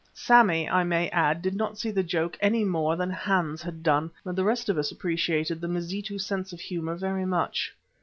Sammy, I may add, did not see the joke any more than Hans had done, but the rest of us appreciated the Mazitu sense of humour very much.